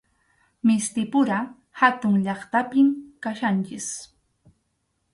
Mistipura hatun llaqtapim kachkanchik.